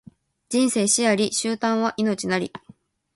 人生死あり、終端は命なり